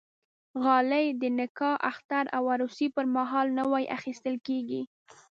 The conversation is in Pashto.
غالۍ د نکاح، اختر او عروسي پرمهال نوی اخیستل کېږي.